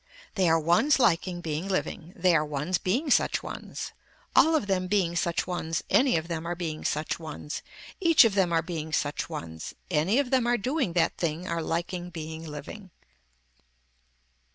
They are ones liking being living, they are ones being such ones, all of them being such ones any of them are being such ones, each of them are being such ones, any of them are doing that thing are liking being living.